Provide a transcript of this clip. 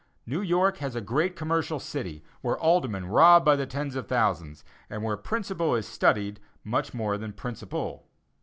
New York has a great commercial city, where Aldermen rob by the tens of thousands, and where principal is studied much more than principle.